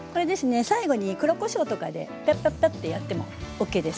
最後に黒こしょうとかでパッパッパッとやってもＯＫです。